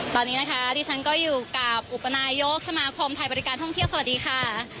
ตอนนี้นะคะที่ฉันก็อยู่กับอุปนายกสมาคมไทยบริการท่องเที่ยวสวัสดีค่ะ